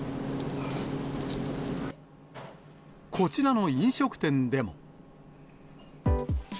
こちらの飲食店でも。